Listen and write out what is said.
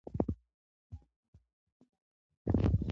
ژبه د وختونو هنداره ده.